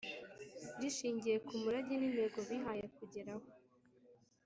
rishingiye ku murage nintego bihaye kugeraho